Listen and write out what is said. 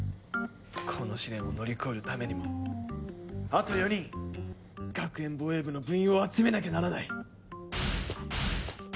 この試練を乗り越えるためにもあと４人学園防衛部の部員を集めなきゃならない！